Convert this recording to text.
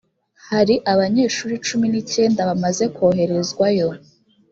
hari abanyeshuri cumi n icyenda bamaze koherezwa yo